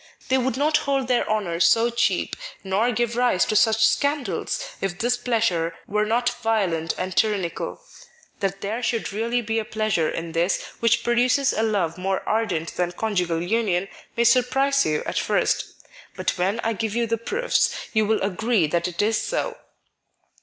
They would not hold their honour so cheap nor give rise to such scandals if this pleasure were not violent and tyrannical. ... That there should really be « pleasure in this which produces a love more ardent than con jugal union may surprise you at first. But when I give you th© proofs you will agree that it is so."